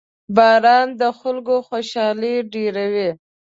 • باران د خلکو خوشحالي ډېروي.